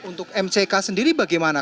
untuk mck sendiri bagaimana